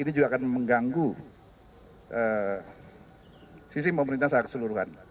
ini juga akan mengganggu sisi pemerintah secara keseluruhan